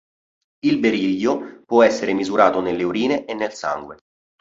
Il berillio può essere misurato nelle urine e nel sangue.